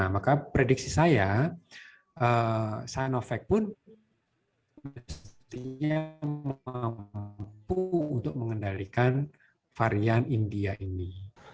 maka prediksi saya sinovac pun mestinya mampu untuk mengendalikan varian india ini